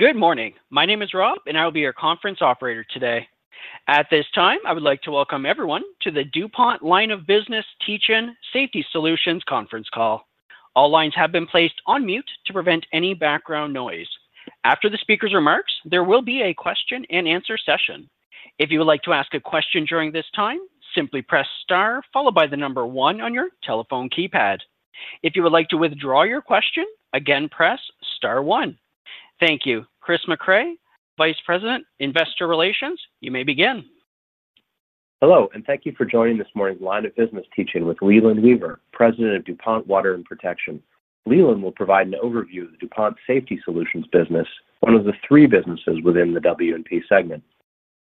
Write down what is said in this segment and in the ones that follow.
Good morning. My name is Rob, and I will be your conference operator today. At this time, I would like to welcome everyone to the DuPont line of business Teach-In Safety Solutions conference call. All lines have been placed on mute to prevent any background noise. After the speaker's remarks, there will be a question and answer session. If you would like to ask a question during this time, simply press star followed by the number one on your telephone keypad. If you would like to withdraw your question, again press star one. Thank you. Chris Mecray, Vice President, Investor Relations, you may begin. Hello, and thank you for joining this morning's line of business Teach-In with Leland Weaver, President of DuPont Water and Protection. Leland will provide an overview of the DuPont Safety Solutions business, one of the three businesses within the W&P segment.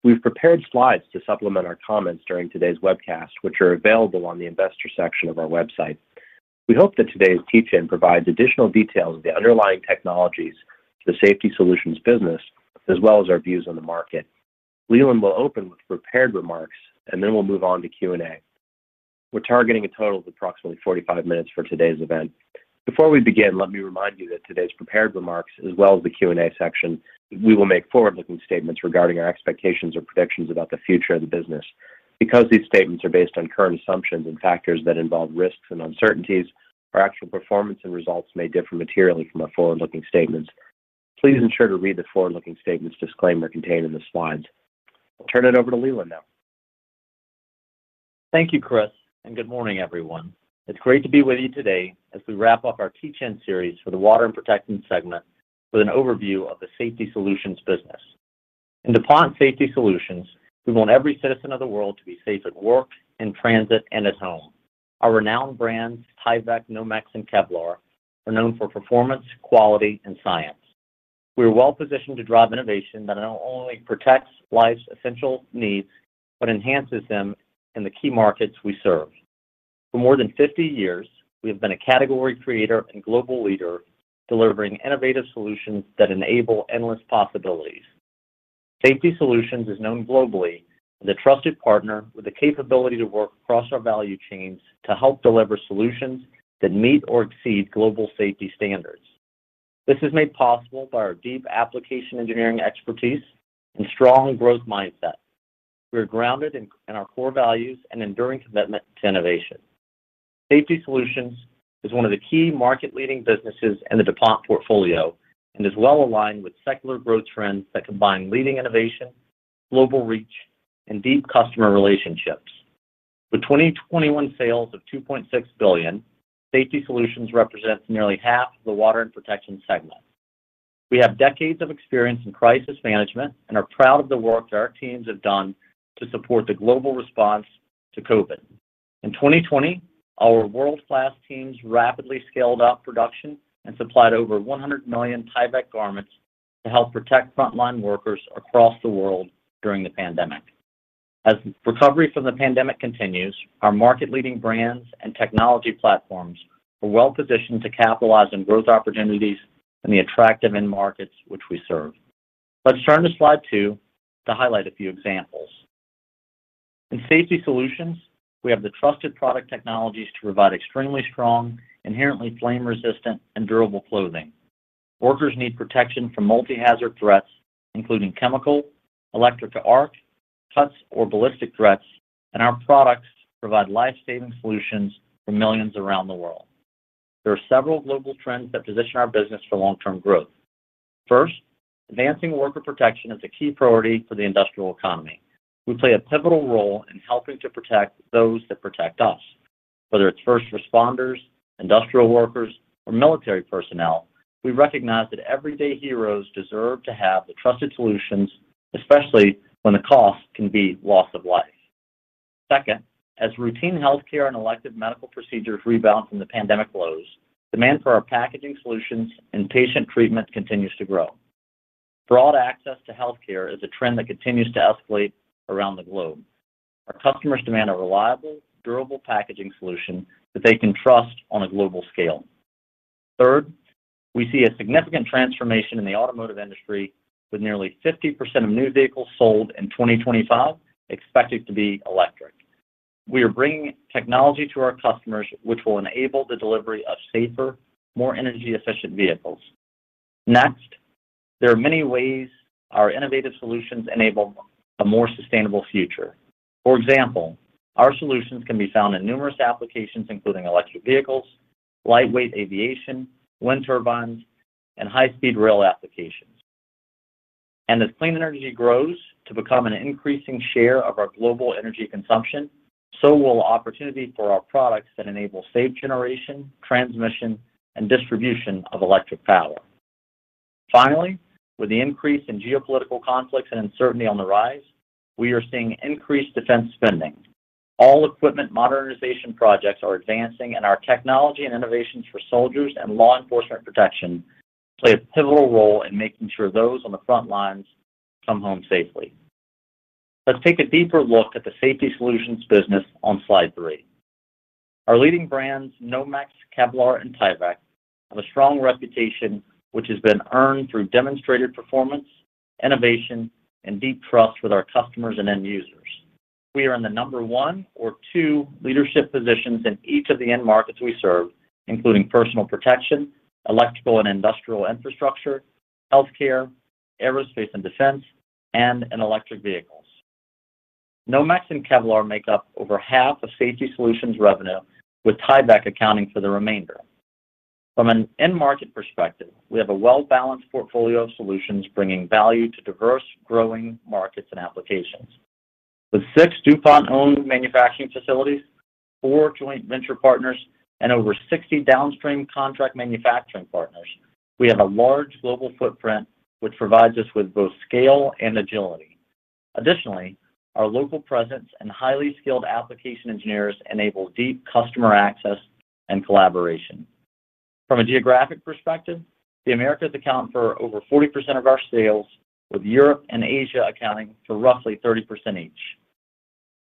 We've prepared slides to supplement our comments during today's webcast, which are available on the Investor section of our website. We hope that today's Teach-In provides additional details of the underlying technologies, the Safety Solutions business, as well as our views on the market. Leland will open with prepared remarks, and then we'll move on to Q&A. We're targeting a total of approximately 45 minutes for today's event. Before we begin, let me remind you that during today's prepared remarks, as well as the Q&A section, we will make forward-looking statements regarding our expectations or predictions about the future of the business. Because these statements are based on current assumptions and factors that involve risks and uncertainties, our actual performance and results may differ materially from our forward-looking statements. Please ensure to read the forward-looking statements disclaimer contained in the slides. I'll turn it over to Leland now. Thank you, Chris, and good morning, everyone. It's great to be with you today as we wrap up our Teach-In series for the Water and Protection segment with an overview of the Safety Solutions business. In DuPont Safety Solutions, we want every citizen of the world to be safe at work, in transit, and at home. Our renowned brands, Tyvek, Nomex, and Kevlar, are known for performance, quality, and science. We are well-positioned to drive innovation that not only protects life's essential needs but enhances them in the key markets we serve. For more than 50 years, we have been a category creator and global leader, delivering innovative solutions that enable endless possibilities. Safety Solutions is known globally as a trusted partner with the capability to work across our value chains to help deliver solutions that meet or exceed global safety standards. This is made possible by our deep application engineering expertise and strong growth mindset. We are grounded in our core values and enduring commitment to innovation. Safety Solutions is one of the key market-leading businesses in the DuPont portfolio and is well aligned with secular growth trends that combine leading innovation, global reach, and deep customer relationships. With 2021 sales of $2.6 billion, Safety Solutions represents nearly half of the Water and Protection segment. We have decades of experience in crisis management and are proud of the work that our teams have done to support the global response to COVID. In 2020, our world-class teams rapidly scaled up production and supplied over 100 million Tyvek garments to help protect frontline workers across the world during the pandemic. As recovery from the pandemic continues, our market-leading brands and technology platforms are well-positioned to capitalize on growth opportunities in the attractive end markets which we serve. Let's turn to slide two to highlight a few examples. In Safety Solutions, we have the trusted product technologies to provide extremely strong, inherently flame-resistant, and durable clothing. Workers need protection from multi-hazard threats, including chemical, electric arc, cuts, or ballistic threats, and our products provide lifesaving solutions for millions around the world. There are several global trends that position our business for long-term growth. First, advancing worker protection is a key priority for the industrial economy. We play a pivotal role in helping to protect those that protect us. Whether it's first responders, industrial workers, or military personnel, we recognize that everyday heroes deserve to have the trusted solutions, especially when the cost can be loss of life. Second, as routine health care and elective medical procedures rebound from the pandemic lows, demand for our packaging solutions and patient treatment continues to grow. Broad access to health care is a trend that continues to escalate around the globe. Our customers demand a reliable, durable packaging solution that they can trust on a global scale. Third, we see a significant transformation in the automotive industry, with nearly 50% of new vehicles sold in 2025 expected to be electric. We are bringing technology to our customers, which will enable the delivery of safer, more energy-efficient vehicles. Next, there are many ways our innovative solutions enable a more sustainable future. For example, our solutions can be found in numerous applications, including electric vehicles, lightweight aviation, wind turbines, and high-speed rail applications. As clean energy grows to become an increasing share of our global energy consumption, so will the opportunity for our products that enable safe generation, transmission, and distribution of electric power. Finally, with the increase in geopolitical conflicts and uncertainty on the rise, we are seeing increased defense spending. All equipment modernization projects are advancing, and our technology and innovations for soldiers and law enforcement protection play a pivotal role in making sure those on the front lines come home safely. Let's take a deeper look at the Safety Solutions business on slide three. Our leading brands, Nomex, Kevlar, and Tyvek, have a strong reputation, which has been earned through demonstrated performance, innovation, and deep trust with our customers and end users. We are in the number one or two leadership positions in each of the end markets we serve, including personal protection, electrical and industrial infrastructure, health care, aerospace and defense, and in electric vehicles. Nomex and Kevlar make up over half of Safety Solutions revenue, with Tyvek accounting for the remainder. From an end market perspective, we have a well-balanced portfolio of solutions bringing value to diverse, growing markets and applications. With six DuPont-owned manufacturing facilities, four joint venture partners, and over 60 downstream contract manufacturing partners, we have a large global footprint, which provides us with both scale and agility. Additionally, our local presence and highly skilled application engineers enable deep customer access and collaboration. From a geographic perspective, the Americas account for over 40% of our sales, with Europe and Asia accounting for roughly 30% each.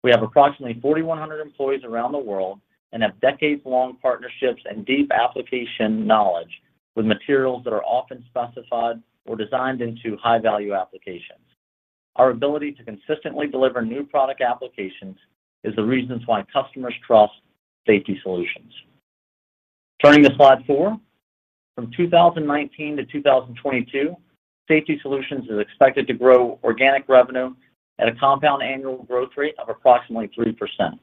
We have approximately 4,100 employees around the world and have decades-long partnerships and deep application knowledge, with materials that are often specified or designed into high-value applications. Our ability to consistently deliver new product applications is the reason why customers trust Safety Solutions. Turning to slide four, from 2019 to 2022, Safety Solutions is expected to grow organic revenue at a compound annual growth rate of approximately 3%.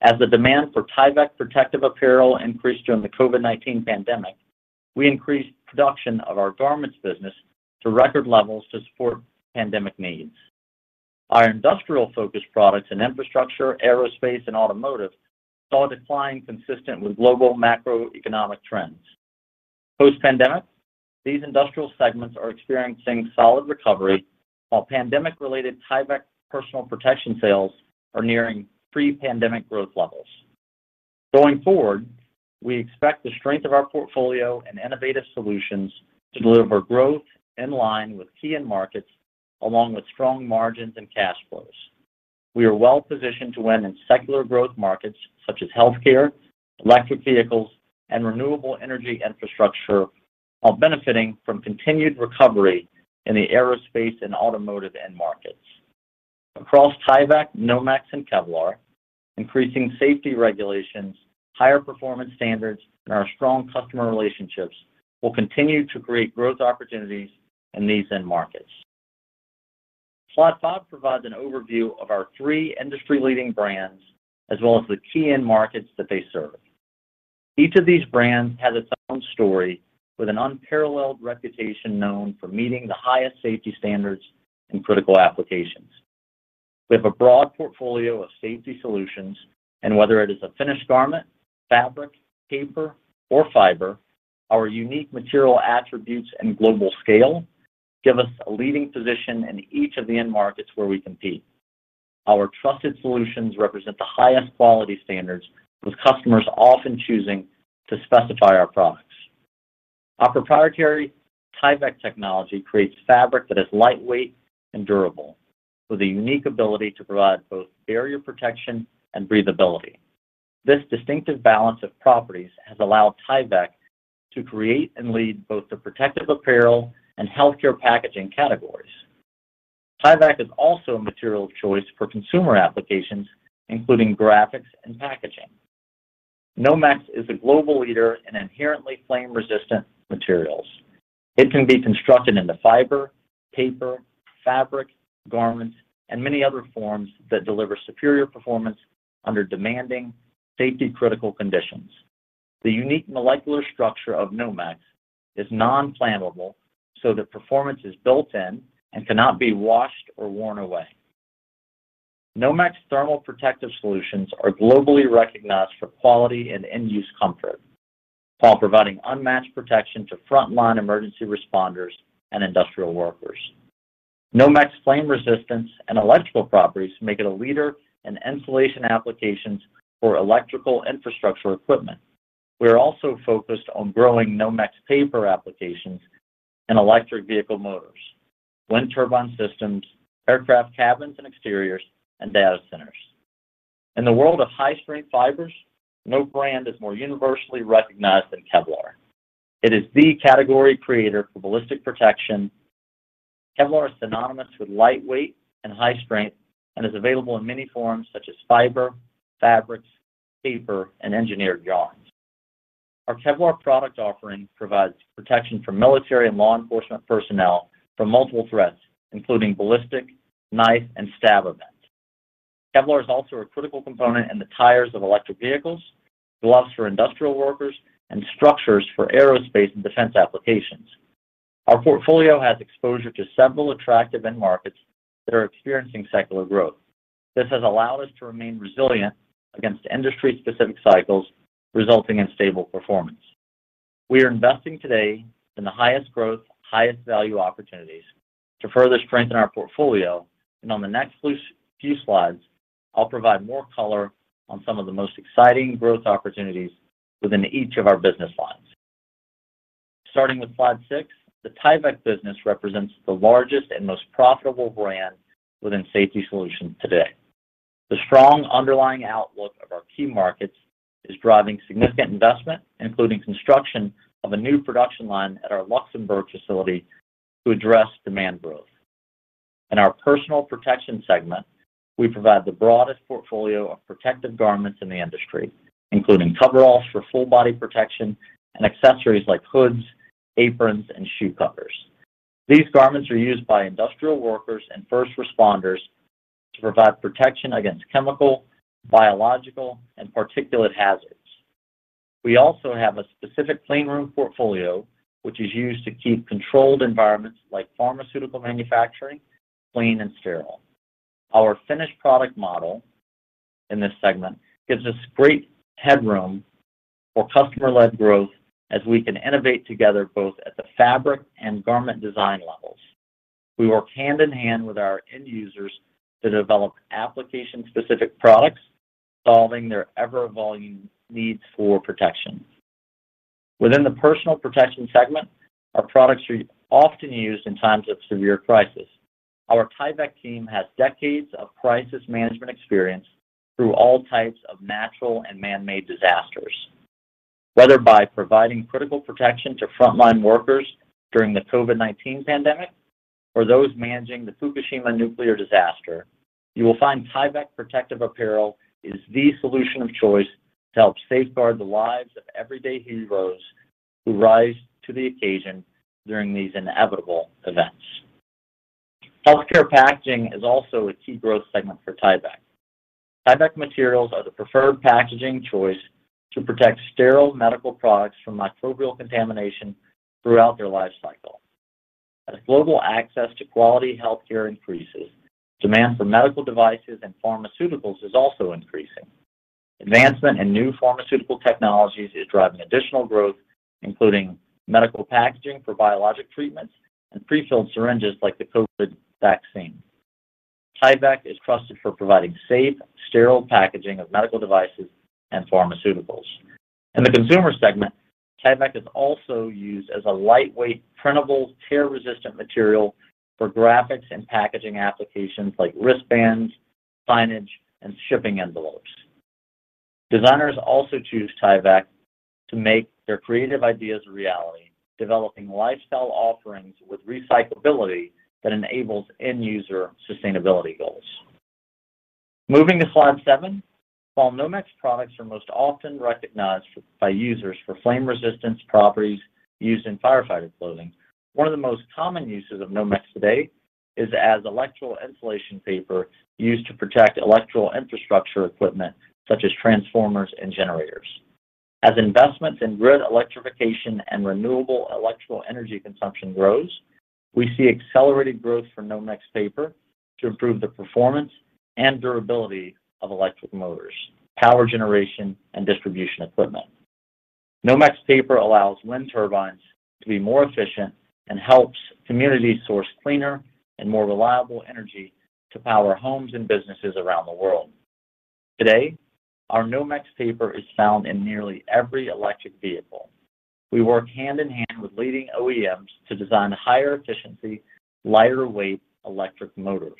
As the demand for Tyvek protective apparel increased during the COVID-19 pandemic, we increased production of our garments business to record levels to support pandemic needs. Our industrial-focused products in infrastructure, aerospace, and automotive saw a decline consistent with global macroeconomic trends. Post-pandemic, these industrial segments are experiencing solid recovery, while pandemic-related Tyvek personal protection sales are nearing pre-pandemic growth levels. Going forward, we expect the strength of our portfolio and innovative solutions to deliver growth in line with key end markets, along with strong margins and cash flows. We are well-positioned to win in secular growth markets such as health care, electric vehicles, and renewable energy infrastructure, all benefiting from continued recovery in the aerospace and automotive end markets. Across Tyvek, Nomex, and Kevlar, increasing safety regulations, higher performance standards, and our strong customer relationships will continue to create growth opportunities in these end markets. Slide five provides an overview of our three industry-leading brands, as well as the key end markets that they serve. Each of these brands has its own story, with an unparalleled reputation known for meeting the highest safety standards in critical applications. We have a broad portfolio of Safety Solutions, and whether it is a finished garment, fabric, paper, or fiber, our unique material attributes and global scale give us a leading position in each of the end markets where we compete. Our trusted solutions represent the highest quality standards, with customers often choosing to specify our products. Our proprietary Tyvek technology creates fabric that is lightweight and durable, with a unique ability to provide both barrier protection and breathability. This distinctive balance of properties has allowed Tyvek to create and lead both the protective apparel and health care packaging categories. Tyvek is also a material of choice for consumer applications, including graphics and packaging. Nomex is a global leader in inherently flame-resistant materials. It can be constructed into fiber, paper, fabric, garments, and many other forms that deliver superior performance under demanding, safety-critical conditions. The unique molecular structure of Nomex is non-flammable, so the performance is built-in and cannot be washed or worn away. Nomex thermal protective solutions are globally recognized for quality and end-use comfort, while providing unmatched protection to frontline emergency responders and industrial workers. Nomex's flame resistance and electrical properties make it a leader in insulation applications for electrical infrastructure equipment. We are also focused on growing Nomex paper applications in electric vehicle motors, wind turbine systems, aircraft cabins and exteriors, and data centers. In the world of high-strength fibers, no brand is more universally recognized than Kevlar. It is the category creator for ballistic protection. Kevlar is synonymous with lightweight and high strength and is available in many forms, such as fiber, fabrics, paper, and engineered yarns. Our Kevlar product offering provides protection for military and law enforcement personnel from multiple threats, including ballistic, knife, and stab events. Kevlar is also a critical component in the tires of electric vehicles, gloves for industrial workers, and structures for aerospace and defense applications. Our portfolio has exposure to several attractive end markets that are experiencing secular growth. This has allowed us to remain resilient against industry-specific cycles, resulting in stable performance. We are investing today in the highest growth, highest value opportunities to further strengthen our portfolio. On the next few slides, I'll provide more color on some of the most exciting growth opportunities within each of our business lines. Starting with slide six, the Tyvek business represents the largest and most profitable brand within Safety Solutions today. The strong underlying outlook of our key markets is driving significant investment, including construction of a new production line at our Luxembourg facility to address demand growth. In our personal protection segment, we provide the broadest portfolio of protective garments in the industry, including coveralls for full-body protection and accessories like hoods, aprons, and shoe covers. These garments are used by industrial workers and first responders to provide protection against chemical, biological, and particulate hazards. We also have a specific clean room portfolio, which is used to keep controlled environments like pharmaceutical manufacturing clean and sterile. Our finished product model in this segment gives us great headroom for customer-led growth, as we can innovate together both at the fabric and garment design levels. We work hand in hand with our end users to develop application-specific products, solving their ever-evolving needs for protection. Within the personal protection segment, our products are often used in times of severe crisis. Our Tyvek team has decades of crisis management experience through all types of natural and man-made disasters. Whether by providing critical protection to frontline workers during the COVID-19 pandemic or those managing the Fukushima nuclear disaster, you will find Tyvek protective apparel is the solution of choice to help safeguard the lives of everyday heroes who rise to the occasion during these inevitable events. Health care packaging is also a key growth segment for Tyvek. Tyvek materials are the preferred packaging choice to protect sterile medical products from microbial contamination throughout their life cycle. As global access to quality health care increases, demand for medical devices and pharmaceuticals is also increasing. Advancement in new pharmaceutical technologies is driving additional growth, including medical packaging for biologic treatments and prefilled syringes like the COVID vaccine. Tyvek is trusted for providing safe, sterile packaging of medical devices and pharmaceuticals. In the consumer segment, Tyvek is also used as a lightweight, printable, tear-resistant material for graphics and packaging applications like wristbands, signage, and shipping envelopes. Designers also choose Tyvek to make their creative ideas a reality, developing lifestyle offerings with recyclability that enables end-user sustainability goals. Moving to slide seven, while Nomex products are most often recognized by users for flame-resistance properties used in firefighter clothing, one of the most common uses of Nomex today is as electrical insulation paper used to protect electrical infrastructure equipment, such as transformers and generators. As investments in grid electrification and renewable electrical energy consumption grow, we see accelerated growth for Nomex paper to improve the performance and durability of electric motors, power generation, and distribution equipment. Nomex paper allows wind turbines to be more efficient and helps communities source cleaner and more reliable energy to power homes and businesses around the world. Today, our Nomex paper is found in nearly every electric vehicle. We work hand in hand with leading OEMs to design higher efficiency, lighter weight electric motors.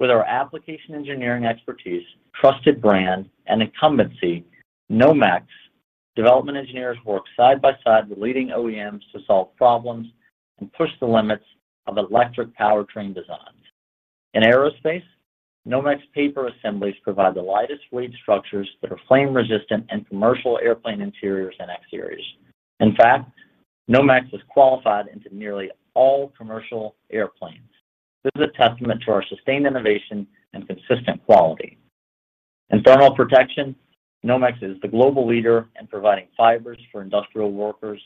With our application engineering expertise, trusted brand, and incumbency, Nomex development engineers work side by side with leading OEMs to solve problems and push the limits of electric powertrain designs. In aerospace, Nomex paper assemblies provide the lightest weight structures that are flame-resistant in commercial airplane interiors and exteriors. In fact, Nomex is qualified into nearly all commercial airplanes. This is a testament to our sustained innovation and consistent quality. In thermal protection, Nomex is the global leader in providing fibers for industrial workers,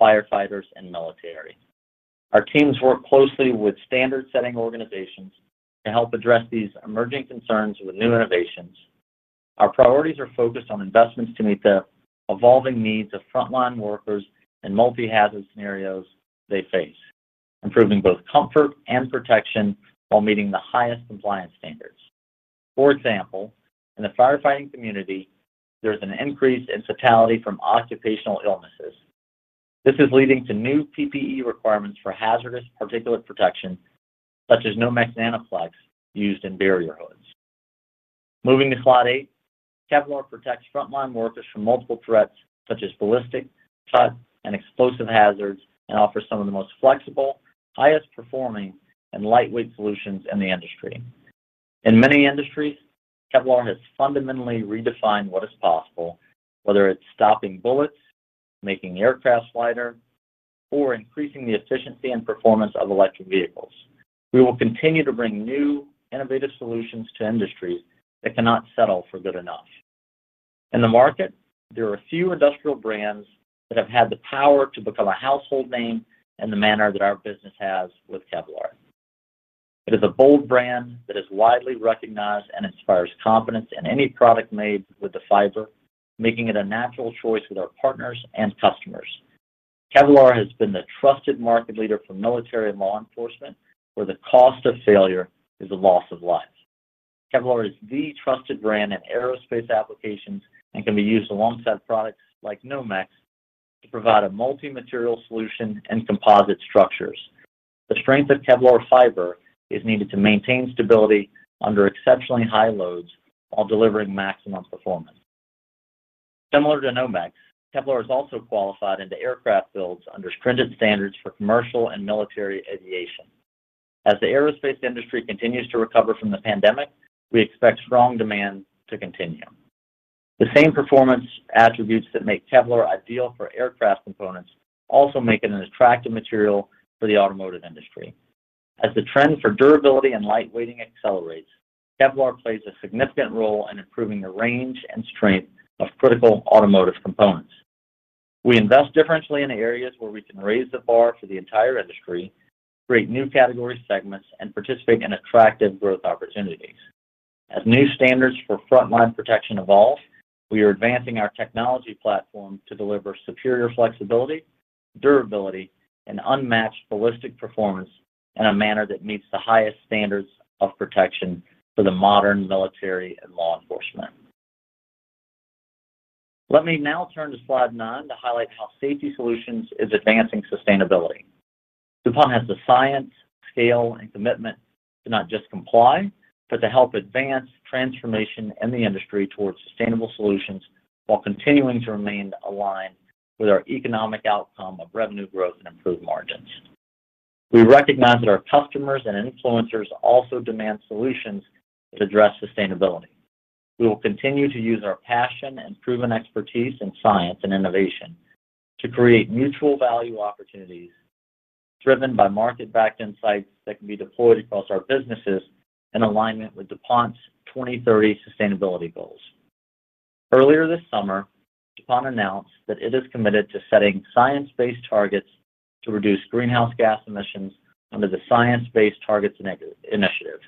firefighters, and military. Our teams work closely with standard-setting organizations to help address these emerging concerns with new innovations. Our priorities are focused on investments to meet the evolving needs of frontline workers and multi-hazard scenarios they face, improving both comfort and protection while meeting the highest compliance standards. For example, in the firefighting community, there's an increase in fatality from occupational illnesses. This is leading to new PPE requirements for hazardous particulate protection, such as Nomex NanoFlex used in barrier hoods. Moving to slide eight, Kevlar protects frontline workers from multiple threats, such as ballistic, cut, and explosive hazards, and offers some of the most flexible, highest performing, and lightweight solutions in the industry. In many industries, Kevlar has fundamentally redefined what is possible, whether it's stopping bullets, making aircraft lighter, or increasing the efficiency and performance of electric vehicles. We will continue to bring new, innovative solutions to industries that cannot settle for good enough. In the market, there are a few industrial brands that have had the power to become a household name in the manner that our business has with Kevlar. It is a bold brand that is widely recognized and inspires confidence in any product made with the fiber, making it a natural choice with our partners and customers. Kevlar has been the trusted market leader for military and law enforcement, where the cost of failure is the loss of life. Kevlar is the trusted brand in aerospace applications and can be used alongside products like Nomex to provide a multi-material solution and composite structures. The strength of Kevlar fiber is needed to maintain stability under exceptionally high loads while delivering maximum performance. Similar to Nomex, Kevlar is also qualified into aircraft builds under stringent standards for commercial and military aviation. As the aerospace industry continues to recover from the pandemic, we expect strong demand to continue. The same performance attributes that make Kevlar ideal for aircraft components also make it an attractive material for the automotive industry. As the trend for durability and lightweighting accelerates, Kevlar plays a significant role in improving the range and strength of critical automotive components. We invest differentially in areas where we can raise the bar for the entire industry, create new category segments, and participate in attractive growth opportunities. As new standards for frontline protection evolve, we are advancing our technology platform to deliver superior flexibility, durability, and unmatched ballistic performance in a manner that meets the highest standards of protection for the modern military and law enforcement. Let me now turn to slide nine to highlight how Safety Solutions is advancing sustainability. DuPont has the science, scale, and commitment to not just comply, but to help advance transformation in the industry towards sustainable solutions while continuing to remain aligned with our economic outcome of revenue growth and improved margins. We recognize that our customers and influencers also demand solutions that address sustainability. We will continue to use our passion and proven expertise in science and innovation to create mutual value opportunities driven by market-backed insights that can be deployed across our businesses in alignment with DuPont's 2030 sustainability goals. Earlier this summer, DuPont announced that it is committed to setting science-based targets to reduce greenhouse gas emissions under the Science-Based Targets Initiative.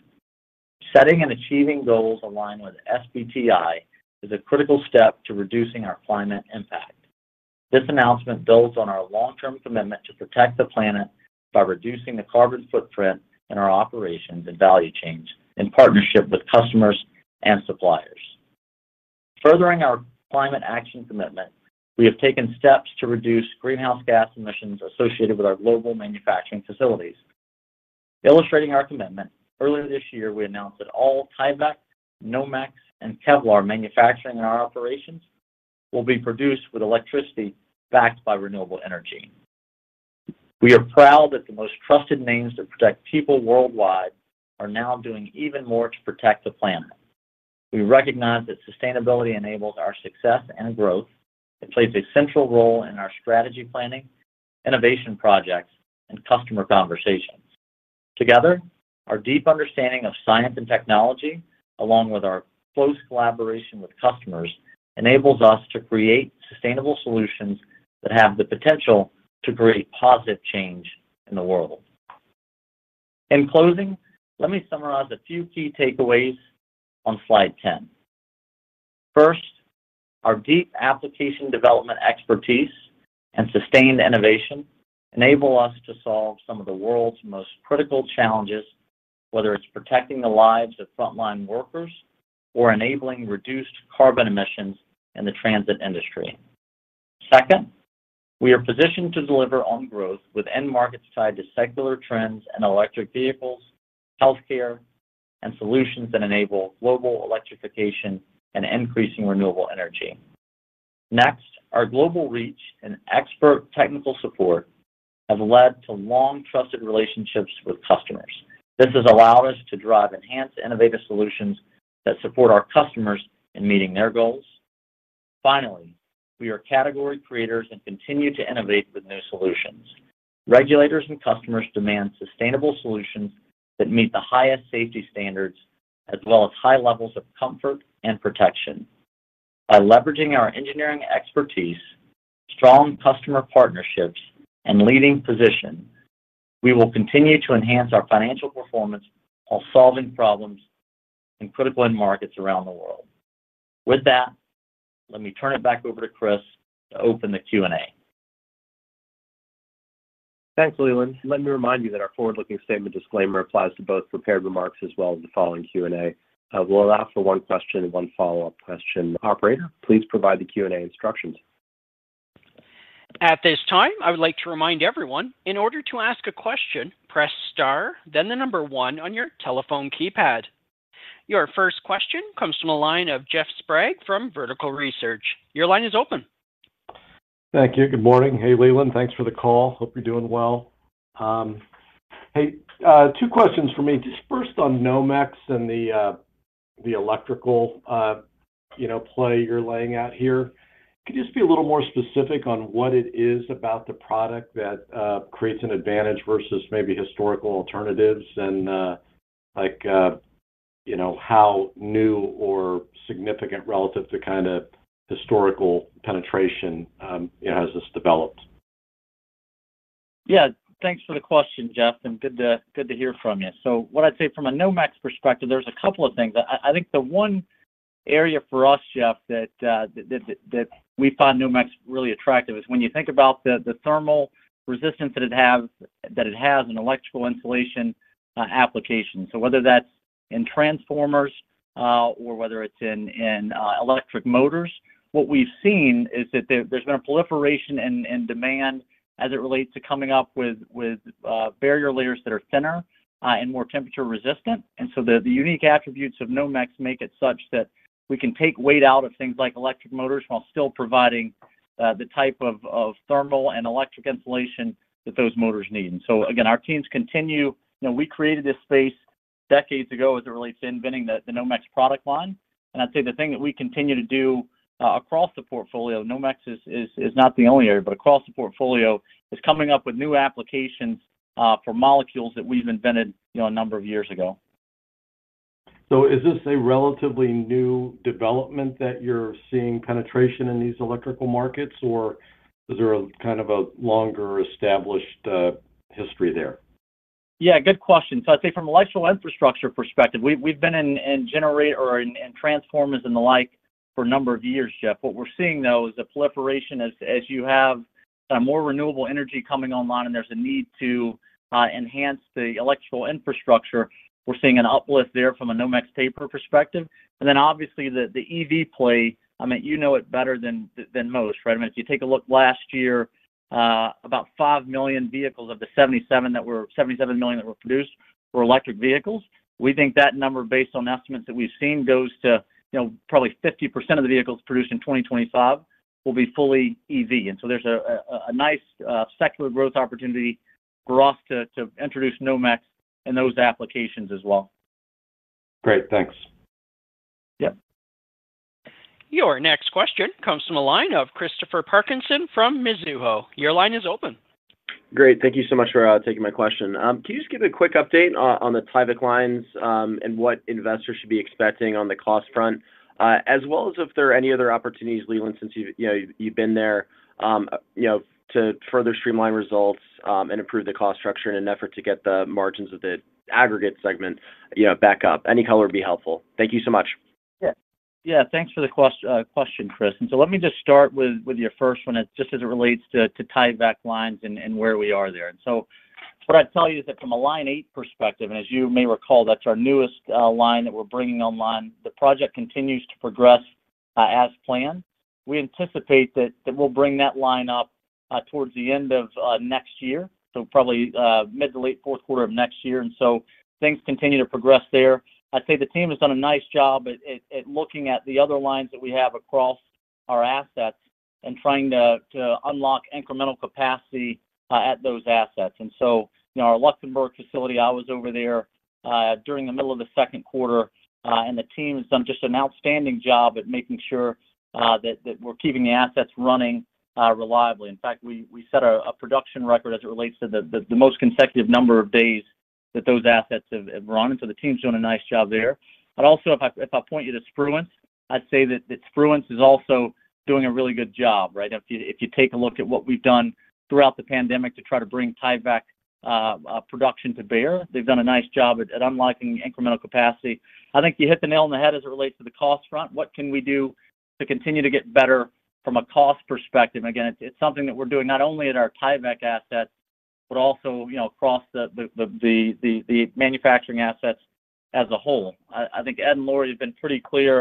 Setting and achieving goals aligned with SBTI is a critical step to reducing our climate impact. This announcement builds on our long-term commitment to protect the planet by reducing the carbon footprint in our operations and value chains, in partnership with customers and suppliers. Furthering our climate action commitment, we have taken steps to reduce greenhouse gas emissions associated with our global manufacturing facilities. Illustrating our commitment, earlier this year, we announced that all Tyvek, Nomex, and Kevlar manufacturing in our operations will be produced with electricity backed by renewable energy. We are proud that the most trusted names that protect people worldwide are now doing even more to protect the planet. We recognize that sustainability enables our success and growth and plays a central role in our strategy planning, innovation projects, and customer conversations. Together, our deep understanding of science and technology, along with our close collaboration with customers, enables us to create sustainable solutions that have the potential to create positive change in the world. In closing, let me summarize a few key takeaways on slide 10. First, our deep application development expertise and sustained innovation enable us to solve some of the world's most critical challenges, whether it's protecting the lives of frontline workers or enabling reduced carbon emissions in the transit industry. Second, we are positioned to deliver on growth with end markets tied to secular trends in electric vehicles, health care, and solutions that enable global electrification and increasing renewable energy. Next, our global reach and expert technical support have led to long trusted relationships with customers. This has allowed us to drive enhanced innovative solutions that support our customers in meeting their goals. Finally, we are category creators and continue to innovate with new solutions. Regulators and customers demand sustainable solutions that meet the highest safety standards, as well as high levels of comfort and protection. By leveraging our engineering expertise, strong customer partnerships, and leading position, we will continue to enhance our financial performance while solving problems in critical end markets around the world. With that, let me turn it back over to Chris to open the Q&A. Thanks, Leland. Let me remind you that our forward-looking statement disclaimer applies to both prepared remarks as well as the following Q&A. We'll allow for one question and one follow-up question. Operator, please provide the Q&A instructions. At this time, I would like to remind everyone, in order to ask a question, press star, then the number one on your telephone keypad. Your first question comes from a line of Jeff Sprague from Vertical Research. Your line is open. Thank you. Good morning. Hey, Leland. Thanks for the call. Hope you're doing well. Two questions for me. First, on Nomex and the electrical play you're laying out here. Could you just be a little more specific on what it is about the product that creates an advantage versus maybe historical alternatives, and how new or significant relative to kind of historical penetration has this developed? Yeah, thanks for the question, Jeff, and good to hear from you. What I'd say from a Nomex perspective, there's a couple of things. I think the one area for us, Jeff, that we found Nomex really attractive is when you think about the thermal resistance that it has in electrical insulation applications. Whether that's in transformers or whether it's in electric motors, what we've seen is that there's been a proliferation in demand as it relates to coming up with barrier layers that are thinner and more temperature resistant. The unique attributes of Nomex make it such that we can take weight out of things like electric motors while still providing the type of thermal and electric insulation that those motors need. Our teams continue. We created this space decades ago as it relates to inventing the Nomex product line. I'd say the thing that we continue to do across the portfolio, Nomex is not the only area, but across the portfolio is coming up with new applications for molecules that we've invented a number of years ago. Is this a relatively new development that you're seeing penetration in these electrical markets, or is there a kind of a longer established history there? Yeah, good question. I'd say from an electrical infrastructure perspective, we've been in generator and transformers and the like for a number of years, Jeff. What we're seeing, though, is the proliferation as you have more renewable energy coming online and there's a need to enhance the electrical infrastructure. We're seeing an uplift there from a Nomex paper perspective. Obviously, the EV play, I mean, you know it better than most, right? If you take a look last year, about 5 million vehicles of the 77 million that were produced were electric vehicles. We think that number, based on estimates that we've seen, goes to probably 50% of the vehicles produced in 2025 will be fully EV. There's a nice secular growth opportunity for us to introduce Nomex in those applications as well. Great, thanks. Yep. Your next question comes from a line of Christopher Parkinson from Mizuho. Your line is open. Great, thank you so much for taking my question. Can you just give a quick update on the Tyvek lines and what investors should be expecting on the cost front, as well as if there are any other opportunities, Leland, since you've been there, to further streamline results and improve the cost structure in an effort to get the margins of the aggregate segment back up? Any color would be helpful. Thank you so much. Yeah, thanks for the question, Chris. Let me just start with your first one, just as it relates to Tyvek lines and where we are there. What I'd tell you is that from a line eight perspective, and as you may recall, that's our newest line that we're bringing online, the project continues to progress as planned. We anticipate that we'll bring that line up towards the end of next year, so probably mid to late fourth quarter of next year. Things continue to progress there. I'd say the team has done a nice job at looking at the other lines that we have across our assets and trying to unlock incremental capacity at those assets. Our Luxembourg facility, I was over there during the middle of the second quarter, and the team has done just an outstanding job at making sure that we're keeping the assets running reliably. In fact, we set a production record as it relates to the most consecutive number of days that those assets have run. The team's done a nice job there. Also, if I point you to Spruance, I'd say that Spruance is also doing a really good job, right? If you take a look at what we've done throughout the pandemic to try to bring Tyvek production to bear, they've done a nice job at unlocking incremental capacity. I think you hit the nail on the head as it relates to the cost front. What can we do to continue to get better from a cost perspective? Again, it's something that we're doing not only at our Tyvek assets, but also across the manufacturing assets as a whole. I think Ed and Lori have been pretty clear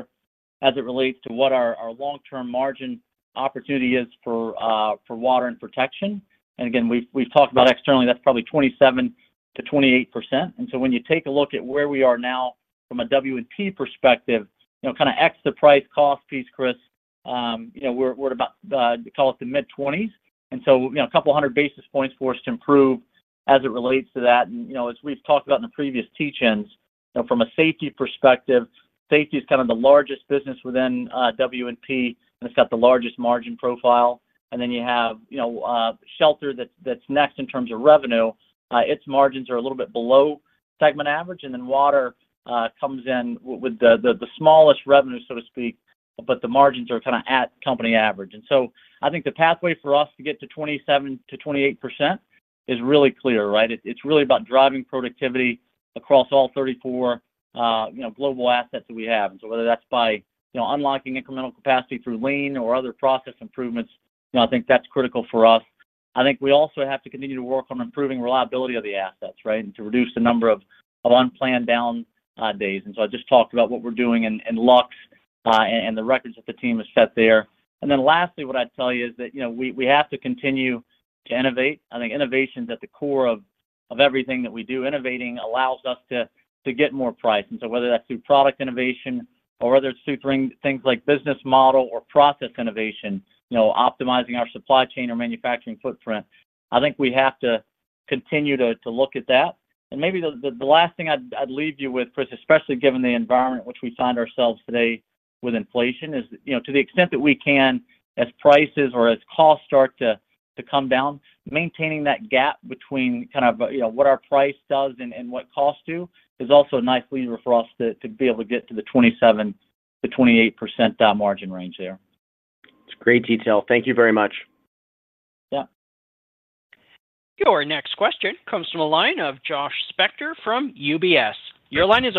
as it relates to what our long-term margin opportunity is for Water and Protection. We've talked about externally, that's probably 27% to 28%. When you take a look at where we are now from a W&P perspective, kind of X the price cost piece, Chris, we're about, call it the mid-20s. A couple hundred basis points for us to improve as it relates to that. As we've talked about in the previous Teach-Ins, from a safety perspective, safety is kind of the largest business within W&P, and it's got the largest margin profile. Then you have Shelter that's next in terms of revenue. Its margins are a little bit below segment average, and then Water comes in with the smallest revenue, so to speak, but the margins are kind of at company average. I think the pathway for us to get to 27% to 28% is really clear, right? It's really about driving productivity across all 34 global assets that we have. Whether that's by unlocking incremental capacity through lean or other process improvements, I think that's critical for us. We also have to continue to work on improving reliability of the assets, right, and to reduce the number of unplanned down days. I just talked about what we're doing in Luxembourg and the records that the team has set there. Lastly, what I'd tell you is that we have to continue to innovate. I think innovation is at the core of everything that we do. Innovating allows us to get more price. Whether that's through product innovation or through things like business model or process innovation, optimizing our supply chain or manufacturing footprint, I think we have to continue to look at that. Maybe the last thing I'd leave you with, Chris, especially given the environment in which we find ourselves today with inflation, is to the extent that we can, as prices or as costs start to come down, maintaining that gap between what our price does and what costs do is also a nice lever for us to be able to get to the 27% to 28% margin range there. It's great detail. Thank you very much. Yeah. Your next question comes from a line of Josh Spector from UBS. Your line is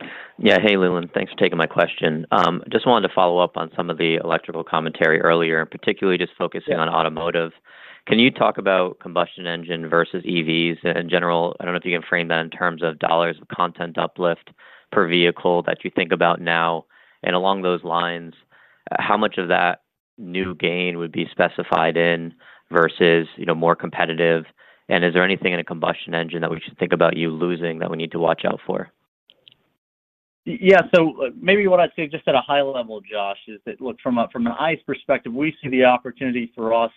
open. Yeah, hey, Leland. Thanks for taking my question. I just wanted to follow up on some of the electrical commentary earlier, particularly just focusing on automotive. Can you talk about combustion engine versus EVs in general? I don't know if you can frame that in terms of dollars of content uplift per vehicle that you think about now. Along those lines, how much of that new gain would be specified in versus more competitive? Is there anything in a combustion engine that we should think about you losing that we need to watch out for? Yeah, so maybe what I'd say just at a high level, Josh, is that look, from an ICE perspective, we see the opportunity for us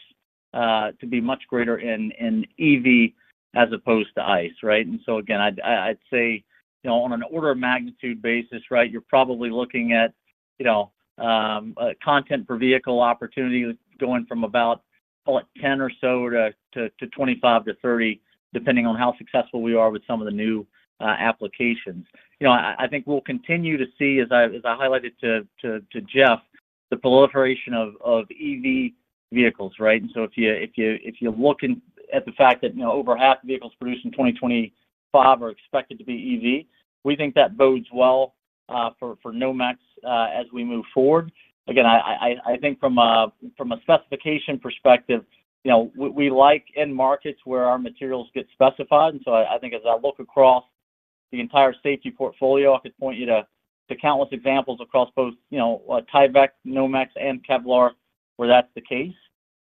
to be much greater in EV as opposed to ICE, right? I'd say on an order of magnitude basis, you're probably looking at content per vehicle opportunity going from about, call it, 10% or so to 25% to 30%, depending on how successful we are with some of the new applications. I think we'll continue to see, as I highlighted to Jeff, the proliferation of EV vehicles, right? If you look at the fact that over half the vehicles produced in 2025 are expected to be EV, we think that bodes well for Nomex as we move forward. I think from a specification perspective, we like end markets where our materials get specified. I think as I look across the entire safety portfolio, I could point you to countless examples across both Tyvek, Nomex, and Kevlar where that's the case.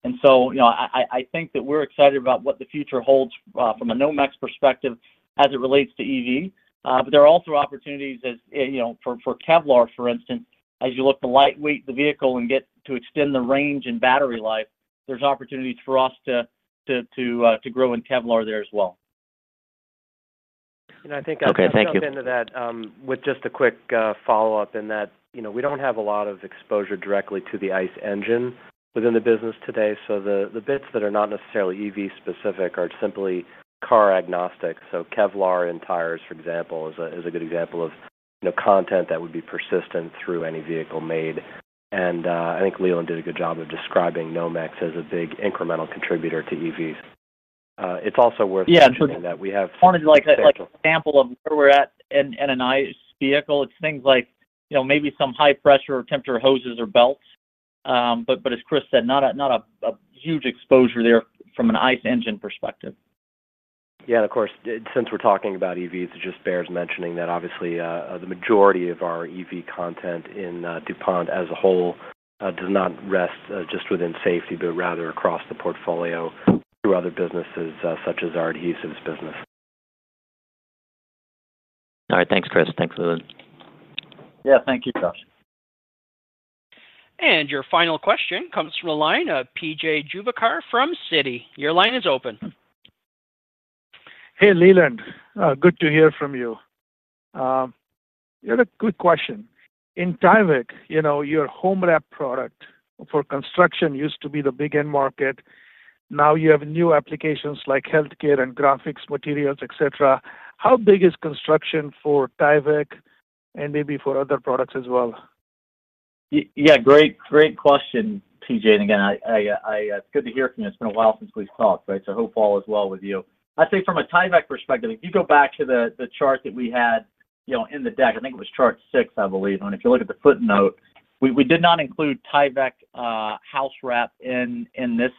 I think that we're excited about what the future holds from a Nomex perspective as it relates to EV. There are also opportunities for Kevlar, for instance. As you look at the lightweight vehicle and get to extend the range and battery life, there's opportunities for us to grow in Kevlar there as well. I think I'd step into that with just a quick follow-up in that we don't have a lot of exposure directly to the ICE engine within the business today. The bits that are not necessarily EV specific are simply car agnostic. Kevlar in tires, for example, is a good example of content that would be persistent through any vehicle made. I think Leland did a good job of describing Nomex as a big incremental contributor to EVs. It's also worth mentioning that we have. I wanted to set an example of where we're at in an ICE vehicle. It's things like maybe some high-pressure or temperature hoses or belts. As Chris said, not a huge exposure there from an ICE engine perspective. Yeah, of course, since we're talking about EVs, it just bears mentioning that obviously the majority of our EV content in DuPont as a whole does not rest just within Safety, but rather across the portfolio through other businesses such as our adhesives business. All right, thanks, Chris. Thanks, Leland. Yeah, thank you, Josh. Your final question comes from the line of PJ Juvekar from Citi. Your line is open. Hey, Leland. Good to hear from you. You had a good question. In Tyvek, your home wrap product for construction used to be the big end market. Now you have new applications like health care and graphics materials, et cetera. How big is construction for Tyvek and maybe for other products as well? Yeah, great question, PJ. Again, it's good to hear from you. It's been a while since we've talked, right? I hope all is well with you. I'd say from a Tyvek perspective, if you go back to the chart that we had in the deck, I think it was chart six, I believe. If you look at the footnote, we did not include Tyvek house wrap in this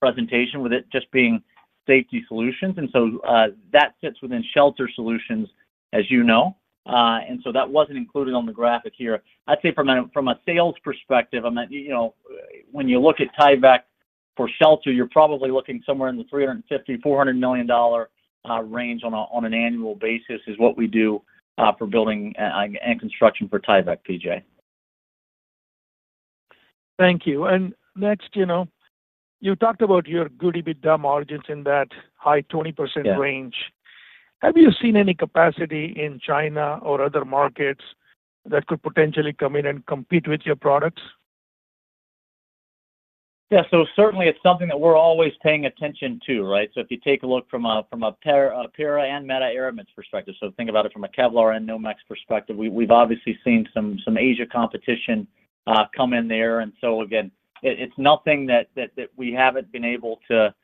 presentation with it just being Safety Solutions. That sits within Shelter Solutions, as you know, so that wasn't included on the graphic here. I'd say from a sales perspective, I meant when you look at Tyvek for Shelter, you're probably looking somewhere in the $350 million, $400 million range on an annual basis is what we do for building and construction for Tyvek, PJ. Thank you. You talked about your good EBITDA margins in that high 20% range. Have you seen any capacity in China or other markets that could potentially come in and compete with your products? Yeah, so certainly it's something that we're always paying attention to, right? If you take a look from a para and meta-aramid perspective, so think about it from a Kevlar and Nomex perspective, we've obviously seen some Asia competition come in there. It's nothing that we haven't been able to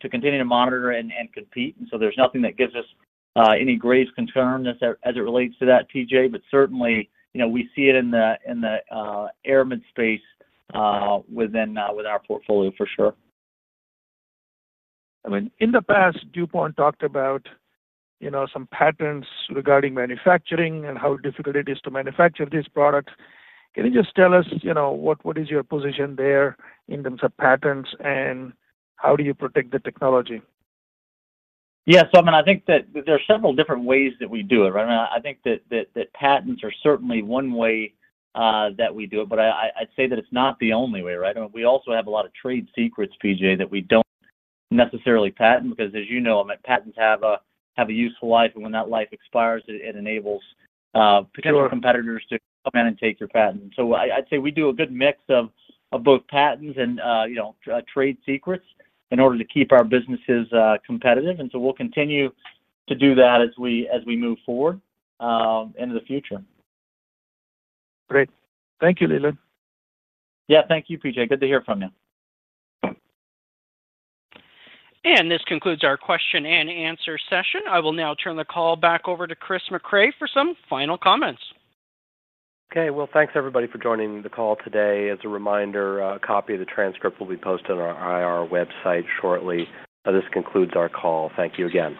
continue to monitor and compete. There's nothing that gives us any grave concern as it relates to that, PJ. Certainly, you know, we see it in the aramid space within our portfolio for sure. In the past, DuPont talked about some patterns regarding manufacturing and how difficult it is to manufacture this product. Can you just tell us what is your position there in terms of patents and how do you protect the technology? I think that there's several different ways that we do it, right? I think that patents are certainly one way that we do it, but I'd say that it's not the only way, right? We also have a lot of trade secrets, PJ, that we don't necessarily patent because, as you know, patents have a useful life, and when that life expires, it enables potential competitors to come in and take your patent. I'd say we do a good mix of both patents and trade secrets in order to keep our businesses competitive. We'll continue to do that as we move forward into the future. Great. Thank you, Leland. Yeah, thank you, PJ. Good to hear from you. This concludes our question and answer session. I will now turn the call back over to Chris Mecray for some final comments. Okay, thanks everybody for joining the call today. As a reminder, a copy of the transcript will be posted on our website shortly. This concludes our call. Thank you again.